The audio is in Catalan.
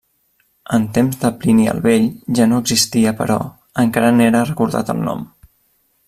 En temps de Plini el vell ja no existia però encara n'era recordat el nom.